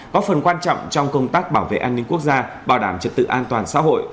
góp phần quan trọng trong công tác bảo vệ an ninh quốc gia bảo đảm trật tự an toàn xã hội